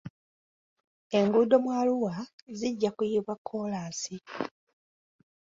Enguudo mu Arua zijja kuyiibwa kkolansi.